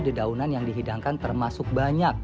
dedaunan yang dihidangkan termasuk banyak